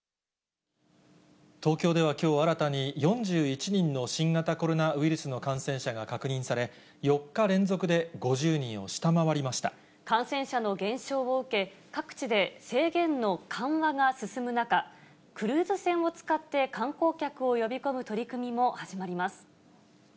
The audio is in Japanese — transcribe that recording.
東京ではきょう、新たに４１人の新型コロナウイルスの感染者が確認され、４日連続感染者の減少を受け、各地で制限の緩和が進む中、クルーズ船を使って観光客を呼び込む取り組みも始まります。